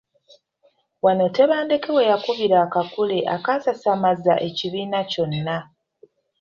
Wano Tebandeke we yakubira akakule akaasasamaza ekibiina kyonna.